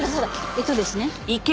えっとですね